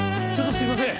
すいません。